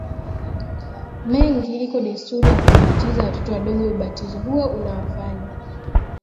mengi iko desturi ya kuwabatiza watoto wadogo Ubatizo huo unawafanya